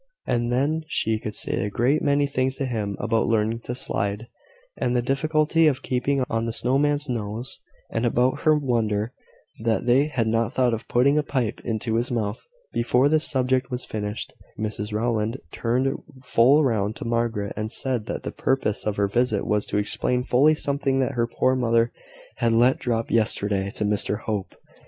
And then she could say a great many things to him about learning to slide, and the difficulty of keeping on the snow man's nose, and about her wonder that they had not thought of putting a pipe into his mouth. Before this subject was finished, Mrs Rowland turned full round to Margaret, and said that the purpose of her visit was to explain fully something that her poor mother had let drop yesterday to Mr Hope.